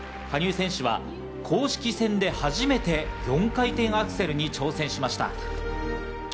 羽生選手は公式戦で初めて４回転アクセルに挑戦しました。